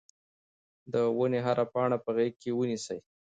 د ونې هره پاڼه په غېږ کې ونیسئ.